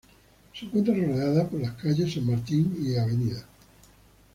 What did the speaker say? Se encuentra rodeada por las calles "San Martín" y "Av.